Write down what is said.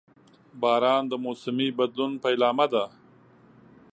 • باران د موسمي بدلون پیلامه ده.